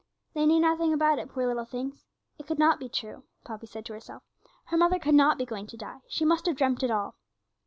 They knew nothing about it, poor little things. It could not be true, Poppy said to herself; her mother could not be going to die; she must have dreamt it all.